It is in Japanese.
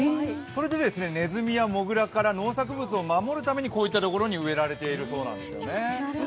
それで、ねずみやもぐらから農作物を守るためにこういったところに植えられているそうなんですね。